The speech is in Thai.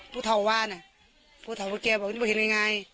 พูดเถาว่านะพูดเถาว่าแกบอกว่าเห็นยังไง